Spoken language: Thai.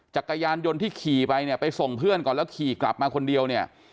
จักรยานยนต์ที่ขี่ไปเนี่ยไปส่งเพื่อนก่อนแล้วขี่กลับมาคนเดียวเนี่ย